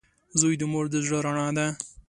• زوی د مور د زړۀ رڼا وي.